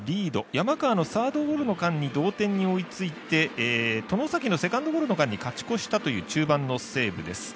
山川のサードゴロの間に同点に追いついて外崎のセカンドゴロの間に勝ち越したという中盤の西武です。